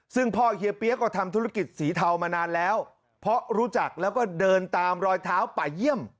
ซึ่งพ่อเฮียเปี๊ยกก็ทำธุรกิจสีเทามานานแล้วเพราะรู้จักแล้วก็เดินตามรอยเท้าป่าเยี่ยม